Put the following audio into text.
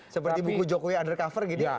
seperti buku jokowi undercover gitu ya